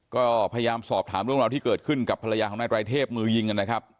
ก็พยายามสอบถามเรื่องราวที่เกิดขึ้นกับภรรยาของนายไตรเทพมือยิงกันนะครับ